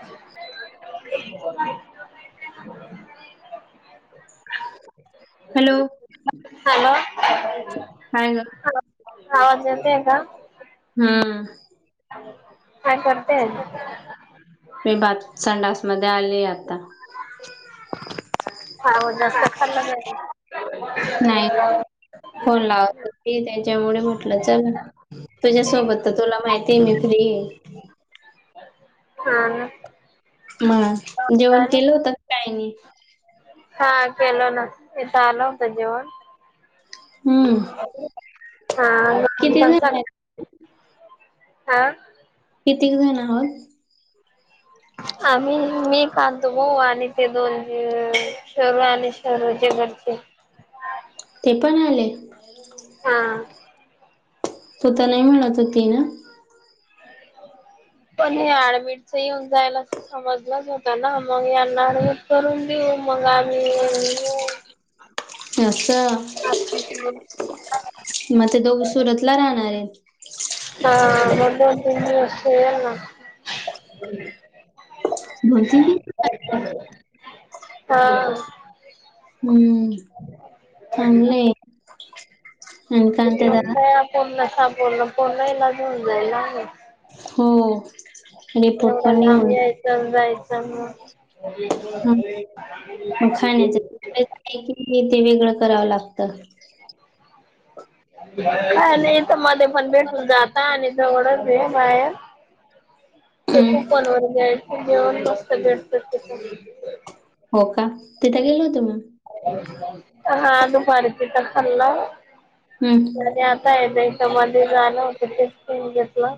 [unintelligible] Hello. Hello काय ग आवाज येतोय का? हा. काय करते. मी बात संडास मध्ये आले आता ह जास्त ख नाही फोन लावत त्याच्यामुळे म्हटलं चल. तुझ्यासोबत तुला माहिती आहे मी फ्री हा. म जेवण झालं? केलं होत काय नाही. हा केल ना इथं आलं होतं जेवण. हम्म किती जण हा. आहेत हा. किती जण आहातत. [unintelligible] आम्ही मी खांतो भाऊ आणि ते दोन शरू आणि शहरूचे घरचे. ते पण आले. हा. तू तर नाही म्हणत होती ना. पण हे आडबिडच येऊन जायला. समजलंच होत ना मग यांना अडवत करून देऊ मग आम्ही येऊ. ह. अस मग ते दोघ सुरतला राहणार आहे. हा मठ दि ना. बोलतीती. हा. हम्म चगलेय. दादा का पनण सापूर्ण पर्णई लाजऊन जाईला आहे. हो. रिपोर्ट पण एवढं लाभ निघून यायचं जायचं मग हा [unintelligible] नाही कीी ते वेगळं करावं लागतं. काय नाही तर मध्ये पण भेटून जाता आणि जवळच आहे बाहेर ते हं. कूपन वर घ्यायचे जेऊन मस्त भेटत तिथ. हो का तिथं गेल होत मग हा दुपारी त तर हला. हम्म. आता मध्ये झालं होतं तेचन घेतलं.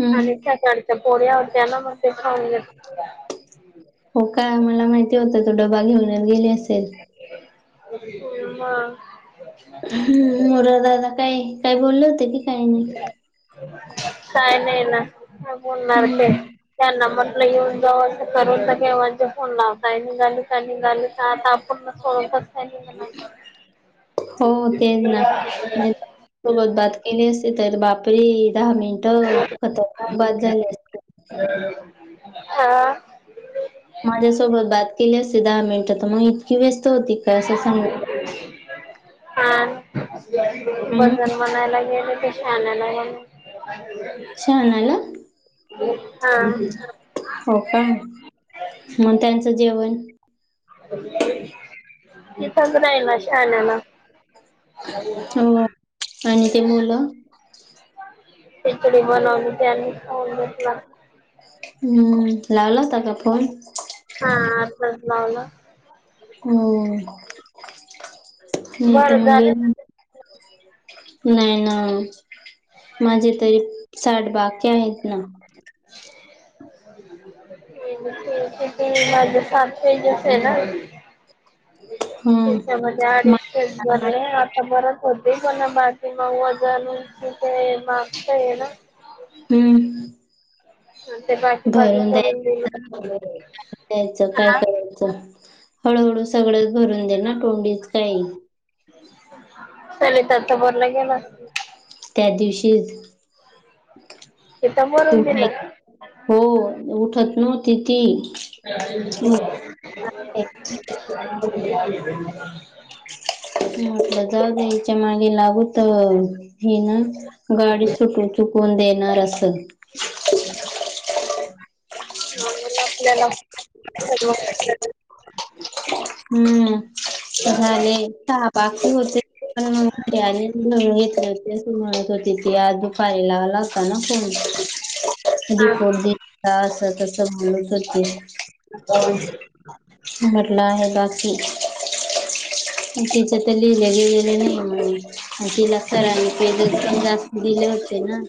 हं. आणि त्याच्याडच्या पोळ्या होत्या ना मग ते खऊन घेत. हो काय मला माहिती होतं तो डबा घेऊन गेले असेल. ब म हम्म मोरा दादा काय काही बोलले होते की काही नाही. काय नाही ना आपणणारख हं. त्या नंबरला येऊन जाऊ असं करून तर केव फोन लावताय झाली. निघाले आता आपूर्ण सपच. हो तेच ना. नाहीतर [unintelligible] सोबत बात केली असते तर बापरी दहा मिनिटं खतरनाक बाद झाली असते. हा. माझ्यासोबत बात केली असते दहा मिनिटं तर मग इतकी व्यस्त होती का अस सांगितल. काल हं. वजन. मनायला गेले ते शा न्या आणायला. शहाणाला. हा. हो का मग त्यांचं जेवण तिथ बनय ना शल ना. हो आणि ते बोल. इकडे बनवते आणि लात. हम्म लावला होता का फोन हा आताच लावला. हो नाही त बरं मग. झालं ना नाही ना माझे तरी साठ बाग. त्याहेत ना. [inaudible] हम्म. त्याच्यामध्ये आडिशे बर आता बरत होते पणा बा. ते नऊ हजार मग ते मागच हे ना. हम्म. अन ते पाचशे बाजूला भरून करून द्यायच दिले. द्यायचं काय हं.. करायचं हळूहळू सगळंच भरून दे ना तोंडीच काही. चलितच बोरला गेला. त्या दिवशीच तिथं भरून उठाय... दिलं हो उठत नव्हती ती. [inaudible] म्हटंल जाऊ दे ईच्या मागे लागून.. त हि ना गाडी सुट चुकवून देणार अस. अ.. म्ह आपल्यालाव. [unintelligible] हम्म झाले सहा बाकी होते. पण मग घेतती अस म्हणत होती ती आ दुपारीला ला होता ना फोन. हा डिपोजीट अस तस म्हणत होती. नकय.. [unintelligible] मटला आहे बाकी. तिच्या ते लिहिल्या गले नाही ना म्ह. तिला सरांनी तेजस पण जास्त दिले होते ना.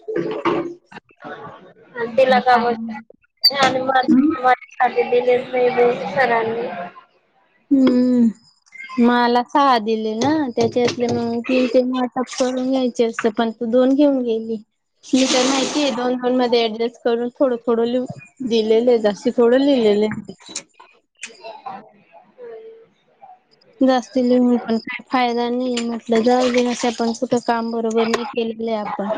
तिला म्हटलं काम सांग आणि आ ते दिलेच नाही ब सरांनी. हम्म. माला सहा दिले ना त्याच्यातले मग तीन तीन वाटप करून घ्यायचे असत पण तू दोन घेऊन गेली. मी तर माहिती आहे दोन दोन मध्ये ऍडजस्ट करून थोड- थोड लिहुन दिलेले आहे आस थोड लिलेल हे. [inaudible] जास्ती लिहून पण काय फायदा नाही म्हटल जाऊ दे आसपण कुठ काम बरोबर नाही केलेल आपण.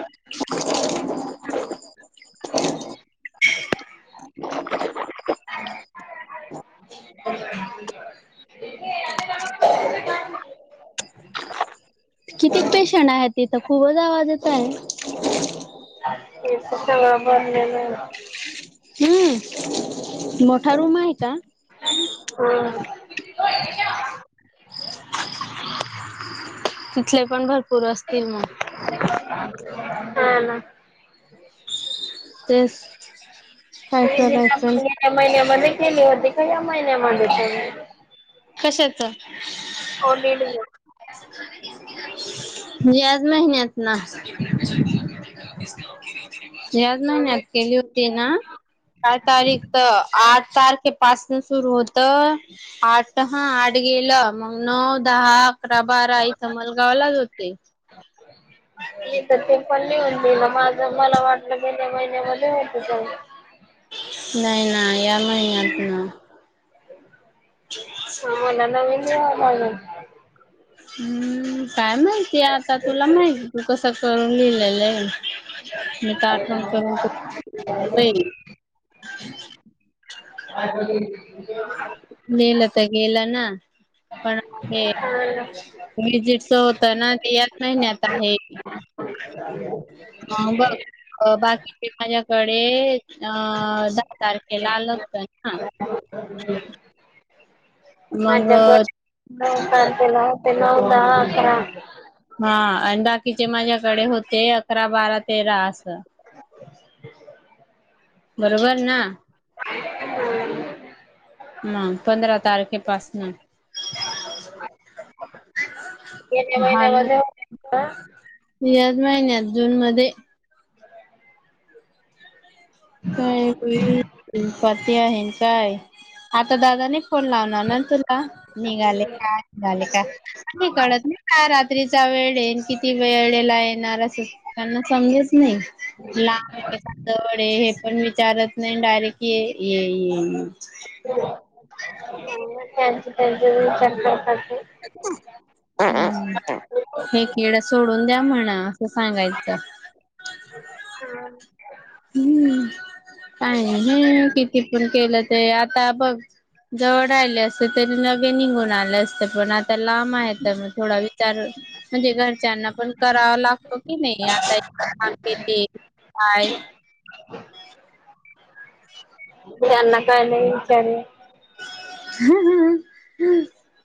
[inaudible] [inaudible] [inaudible] किती ते शनाया आहे तिथ खूपच आवाज येत आहे. हे त सगळ भरलेल हे. हम् मोठा रूम आहे का. हो. तिथले पण भर.... पुूर असतील मग. हा ना. तेच काय ते जे का ना... [unintelligible] करायचं त्या महिन्यामध्ये केली होती का या महिन्यामध्ये केले होते. कशाच ऑडिट म्हणजे आज महिन्यात न याच महिन्यात केली होती ना काय तारीख आठ तारखेपासून सुरू होत आठ हा आठ गेलं मग नऊ दहा अकरा बारा इथं मलगावलाच होते. ह [unintelligible] मी तर ते पण लिहून दिलं माझ मला वाटलं गेल्या महिन्यामध्ये होत चग. [unintelligible] नाही ना या महिन्यात ना. हा मला नवीन लिहायल लागल. हम्म काय माहितीय आता तुला माहिती तू कस करून लिहिलेलं आहे. [unintelligible] मी तर आठवण करून अ [inaudible] गेलं तर गेलं ना पण हो [inaudible] विजिटच होत ना ते याच महिन्यात आहे ह [inaudible] हा बग अ बाकीचे माझ्याकडे अ दहा तारखेला आलं होत ना मग माझ्याकारखला [unintelligible] ते नऊ दहा अकरा हा आणि बाकीचे माझ्याकडे होते अकरा बारा तेरा असं [inaudible] बरोबर ना हम् [inaudible] ह पंधरा तारखेपासन एने महिने वजा [unintelligible] काय [unintelligible] ह्याच महिन्यात जून मध्ये कापाती [unintelligible] आहे काय आता दादाने फोन लावणार ना तुला निघाले का निघाले का नाही कळत नाही काय रात्रीचा वेळ येईन किती वेळेला येणार असं त्यांना समजच नाही लाब आहे तांदळ आहे पण विचारत नाही डायरेक्ट ये त्यांच त्यांच च काते हे कड सोडून द्या म्हणा असं सांगायचं ह [inaudible] हम्म काही नाही हे किती पण केलं ते आता बघ जवळ आले असते तरी नगे निघून आलं असते पण आ तर लांब आहे तर मग थोडा विचार म्हणजे घरच्यांना पण करावा लागतो की नाही आता काय त्यांना काय नाही विचार हा ह हा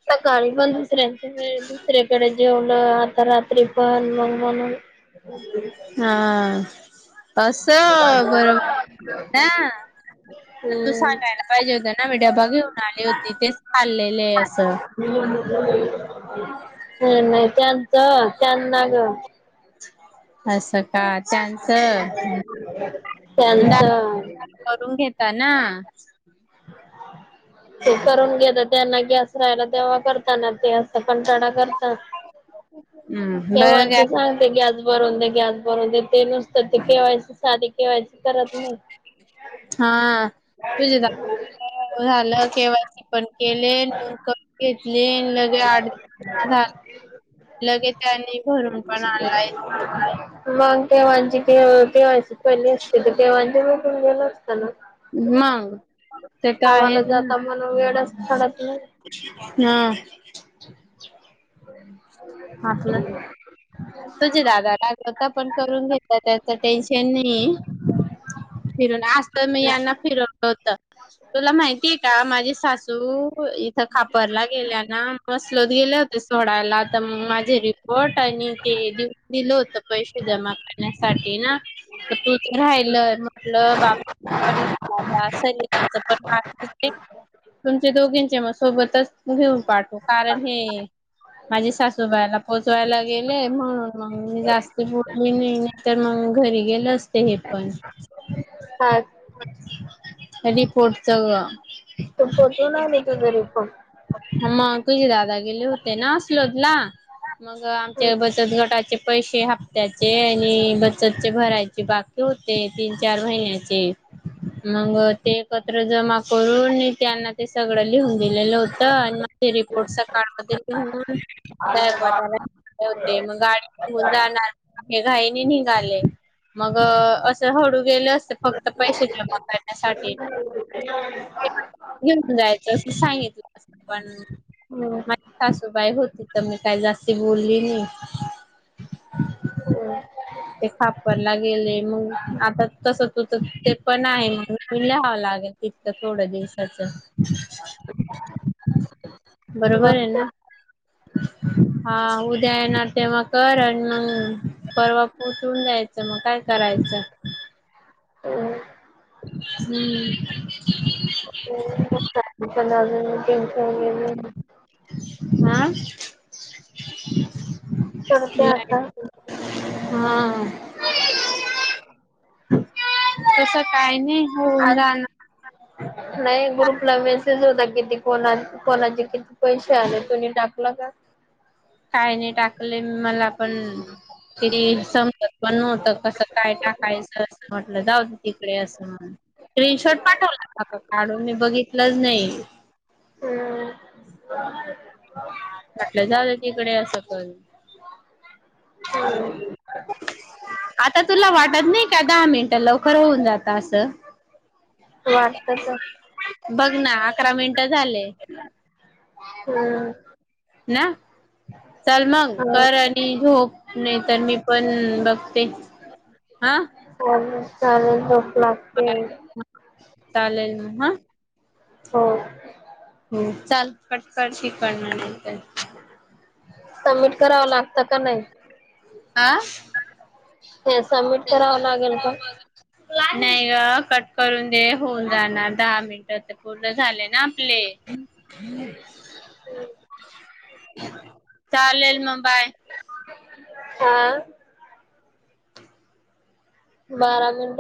सकाळी बंद दुऱ्यां दुसर्याकडे जेवलं आता रात्री पण मग म्हणून हा अस बरोबर ना तू हम्म सांगायला पाहिजे होत ना मी डबा घेऊन आले होती तेच चाललेले आहे असं ह नाही त्यांचं त्यांना ग असं का त्यांच द त्यांचं करून घेता ना तू करून घ्या [unintelligible] त्यांना गॅस राहायला तेव्हा करताना ते असत पणटडा करतात हम्म बरं कावणच सांगते की आज बरोंद ग्यात बरोदेेत तेनसत केवायस साध ठेवायची करत नाही हा तुझे झालं केवायची पण केले नोंद कमी घेतली लगे आठ [inaudible] लगेच त्यांनी भरून पण आलाय मग केव्हाची केव्हा पली असते तर जेवण गेल असताना मग गावाला जाता म्हणून वेळ हा हा आपलं ह. स्वतः पण करून घेतता त्याच टेन्शन नाही. फिरून आज तर मी यांना फिरवलं होत. ह. तुला माहिती आहे का माझी सासू इथं खापरला गेल्या ना मसलोद गेले होते. सोडायला. तर मग माझे रिपोर्ट आणि तेऊ दिलं होतं पैसे जमा करण्यासाठी ना. तर तू तर राहिलय म्हटलं बाप. पण आता सचं पण का? तुमचे दोघींचे मग सोबतच घेऊन पाठू कारण हे. माझी सासूबाईला पोचवायला गेले म्हणून मग मी जास्त बोलली नाही नाही. तर मग घरी गेलं असते हे पण हा. अडी पोटत. पोचवला मी तुझा रिपोर्ट मग तुझे दादा गेले होते ना असलोदला. मग आमचे बचत गटाचे पैसे हप्त्याचे आणि बचतचे भरायचे बाकी होते तीन चार महिन्याचे मग ते एकत्र जमा करून त्यांना ते सगळं लिहून दिलेलं होतं. ते रिपोर्टचा सकाळमध्ये लिहून गयकवादाला होते मग गाडी घेऊन जाणार हे घाईने निघाले. मग असं हळू गेलं असते फक्त पैसे जमा करण्यासाठी [unintelligible] जायचं अस सांगितलं पण हम्म. माझ सासूबाई होत. तिथं मी काय जास्ती बोलली नाही. हम्. ते खापरला गेले मग आता तस तुं ते पण आहे मग त लिहावं लागेल. तथत थोड्या दिवसाचं. [unintelligible] मग बरोबर हे काय? ना. हा उद्या येणार तेव्हा कर आणि मग परवा. उठून जायचं मग काय करायचं. ते हम्म. प ट वगैर हा. हा. करते आता तस काय नाही होऊन आज जा. नाही ग्रुपला मेसेज होता किती कोणा कोणाची किती? पैसे आले तु्नी टाकला का? काही नाही टाकले मला पण तिरी संपत पण नव्हत कसं काय टाकायचं असं म्हटलं जाऊत तिकडे असं म्हण. स्क्रीन शॉर्ट पाठवला का काढून मी बघितलंच नाही. ह. म्हटलं झालं तिकडे अस पल. हम्म. आता तुला वाटत नाही का दहा मिनटं लवकर होऊन जात असं. वाटत तर बघ ना अकरा मिनिट झाले. हम्म. ना चल मंग हो. कर आणि झोप. नाही तर मी पण बघते हा. चाले चालेल भोप लागते. चालेल ना हा. हो. हो चाल कटकची करणार का? सबमिट करावं लागतं का नाही. हा हे सबमिट करावं लागेल क? नाही ग कट करून दे होऊन जाणार दहा मिनट पूर्ण झाले ना आपले. चालेल मग बाय. हा. बारा मिनट.